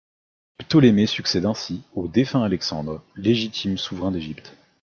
Ptolémée succède ainsi au défunt Alexandre, légitime souverain d'Égypte.